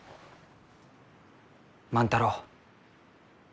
万太郎。